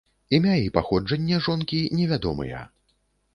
Імя і паходжанне жонкі невядомыя.